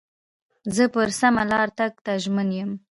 زه پر سمه لار تګ ته ژمن یم.